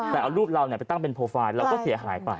แต่เอารูปเราไปตั้งเป็นโปรไฟล์เราก็เสียหายไป